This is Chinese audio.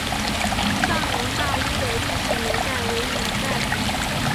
上洋大屋的历史年代为明代。